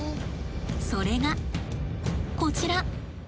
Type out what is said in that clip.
それがこちら。